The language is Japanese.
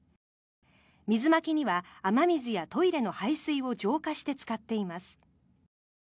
水まきには雨水やトイレの排水を浄化して使っています。